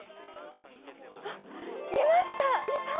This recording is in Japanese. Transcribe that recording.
あっ、いました、いた！